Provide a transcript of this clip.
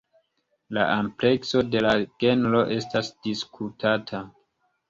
La amplekso de la genro estas diskutata.